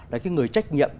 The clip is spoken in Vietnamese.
là cái người trách nhiệm